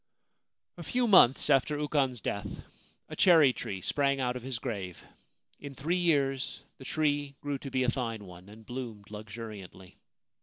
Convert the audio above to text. A few months after Ukon's death, a cherry tree sprang out of his grave. In three years the tree grew to be a fine one and bloomed luxuriantly.